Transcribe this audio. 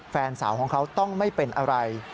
แฟนสาวของเขาต้องไม่เป็นอะไร